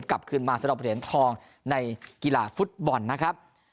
กลับคืนมาสระดอกประเทศทองในกีฬาฟุตบอลนะครับ